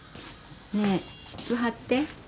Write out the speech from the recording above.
ねえ湿布貼って。